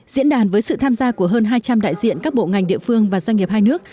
diễn đàn với sự tham gia của hơn hai trăm linh đại diện các bộ ngành địa phương và doanh nghiệp hai nước